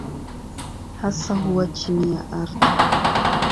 Hasa huwa chini ya ardhi.